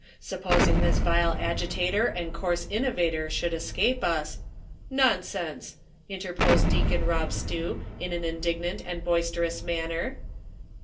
"Supposing this vile agitator and coarse innovator should escape us "— "Xonsense !" interposed Deacon Eob Stew, in an indig nant and boisterous manner.